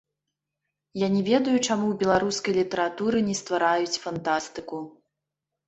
Я не ведаю, чаму ў беларускай літаратуры не ствараюць фантастыку.